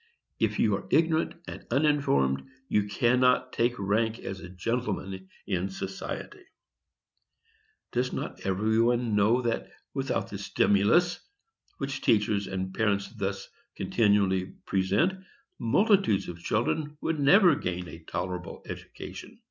If you are ignorant and uninformed, you cannot take rank as a gentleman in society." Does not every one know that, without the stimulus which teachers and parents thus continually present, multitudes of children would never gain a tolerable education?